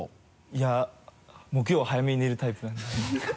いや木曜は早めに寝るタイプなんで。